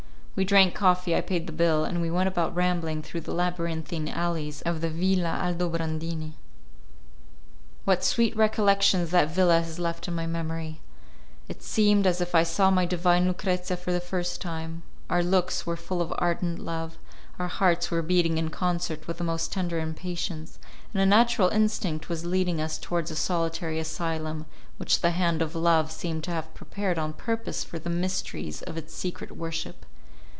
We drank coffee, I paid the bill, and we went about rambling through the labyrinthine alleys of the Villa Aldobrandini. What sweet recollections that villa has left in my memory! It seemed as if I saw my divine Lucrezia for the first time. Our looks were full of ardent love, our hearts were beating in concert with the most tender impatience, and a natural instinct was leading us towards a solitary asylum which the hand of Love seemed to have prepared on purpose for the mysteries of its secret worship.